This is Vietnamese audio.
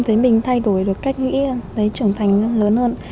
thấy mình thay đổi được cách nghĩ đấy trưởng thành lớn hơn